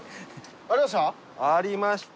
ありました。